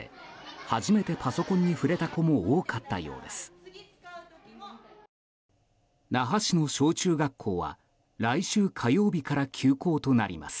初めてパソコンに触れた子も多かったようです。